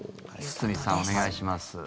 堤さん、お願いします。